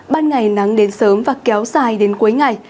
ban ngày nắng đến sớm và kéo dài đến cuối ngày